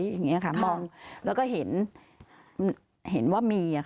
อย่างนี้ค่ะมองแล้วก็เห็นว่ามี